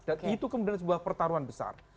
dan itu kemudian sebuah pertarungan besar